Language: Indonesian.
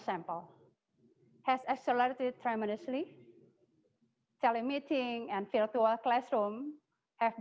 saya bisa melihatnya dari galeri jadi anda bisa melihat semua orang